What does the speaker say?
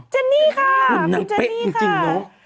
เจนี่ค่ะคุณเจนี่ค่ะ